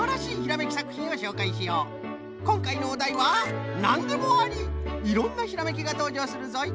こんかいのおだいはいろんなひらめきがとうじょうするぞい。